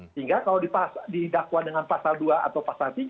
sehingga kalau didakwa dengan pasal dua atau pasal tiga